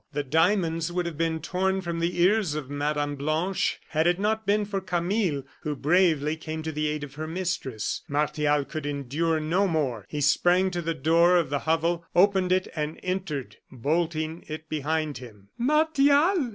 The diamonds would have been torn from the ears of Mme. Blanche had it not been for Camille, who bravely came to the aid of her mistress. Martial could endure no more. He sprang to the door of the hovel, opened it, and entered, bolting it behind him. "Martial!"